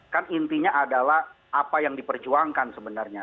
kan intinya adalah apa yang diperjuangkan sebenarnya